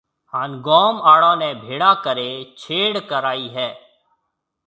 ھان گوم آݪو نيَ ڀيݪا ڪرَي ڇيڙ ڪرائيَ ھيََََ